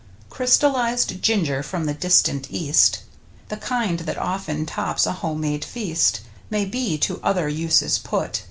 Crystallized Ginger from the distant East, The kind that often tops a home made feast, May be to other uses put.